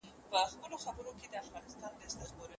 او حتی د لرګیو او د توپک د قنداقونو په زور